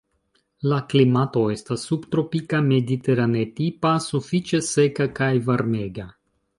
La klimato estas subtropika mediterane-tipa, sufiĉe seka kaj varmega.